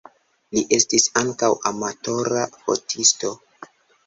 Li estis ankaŭ amatora fotisto.